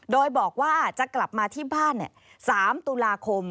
โดยบอกว่าจะกลับมาที่บ้าน๓ตุลาคม